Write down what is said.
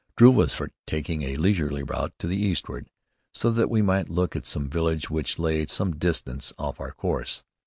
Drew was for taking a leisurely route to the eastward, so that we might look at some villages which lay some distance off our course.